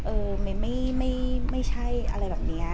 เออไม่ใช่อะไรแบบนี้